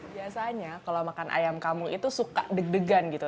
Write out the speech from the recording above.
biasanya kalau makan ayam kampung itu suka deg degan gitu